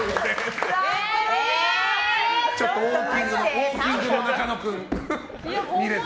ウォーキングの中野くんが見れて。